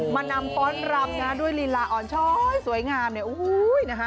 มานำป้อนรำนะด้วยลิลาอ่อนช้อยสวยงามเนี่ย